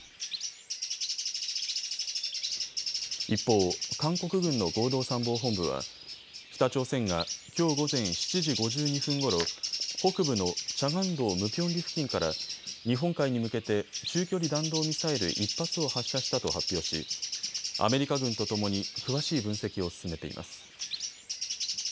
一方、韓国軍の合同参謀本部は北朝鮮がきょう午前７時５２分ごろ北部のチャガン道ムピョンリ付近から日本海に向けて中距離弾道ミサイル１発を発射したと発表し、アメリカ軍とともに詳しい分析を進めています。